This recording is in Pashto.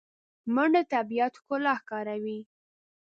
منډه د طبیعت ښکلا ښکاروي